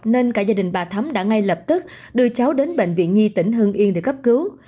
nên cả gia đình bà thấm đã ngay lập tức đưa cháu đến bệnh viện nhi tỉnh hương yên để cấp cứu